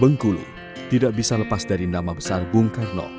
bengkulu tidak bisa lepas dari nama besar bung karno